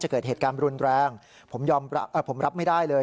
จะเกิดเหตุการณ์รุนแรงผมรับไม่ได้เลย